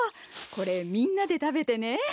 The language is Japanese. これみんなでたべてね。